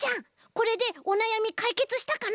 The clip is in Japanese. これでおなやみかいけつしたかな？